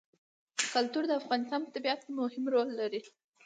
کلتور د افغانستان په طبیعت کې مهم رول لري.